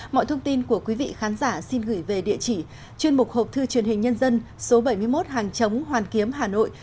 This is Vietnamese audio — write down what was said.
mọi thông tin của quý vị khán giả xin gửi về địa chỉ chuyên mục hộp thư truyền hình nhân dân số bảy mươi một hàng chống hoàn kiếm hà nội